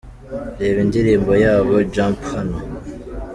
Reba indirimbo yabo "Jump" hano :.